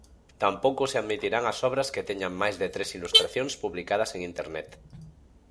Tampouco se admitirán as obras que teñan máis de tres ilustracións publicadas en Internet.